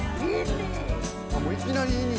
もういきなり「いに」